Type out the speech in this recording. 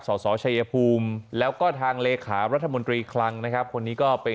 สสชัยภูมิแล้วก็ทางเลขารัฐมนตรีคลังนะครับคนนี้ก็ไป